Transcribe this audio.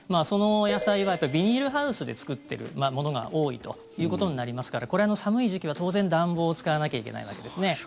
その野菜はビニールハウスで作っているものが多いということになりますからこれは寒い時期は当然、暖房を使わなきゃいけないわけですね。